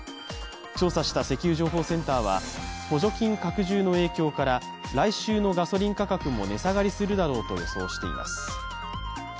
調査した石油情報センターは補助金拡充の影響から来週のガソリン価格も値下がりするだろうと予想しています。